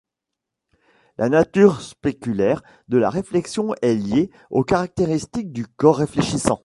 La nature spéculaire de la réflexion est liée aux caractéristiques du corps réfléchissant.